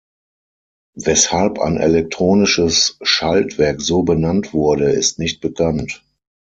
Weshalb ein elektronisches Schaltwerk so benannt wurde, ist nicht bekannt.